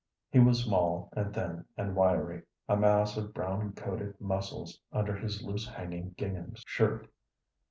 He was small and thin and wiry, a mass of brown coated muscles under his loose hanging gingham shirt.